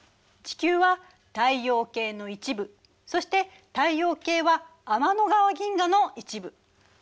地球は太陽系の一部そして太陽系は天の川銀河の一部。